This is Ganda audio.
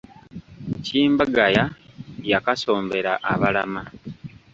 Kimbagaya yakasombera abalama.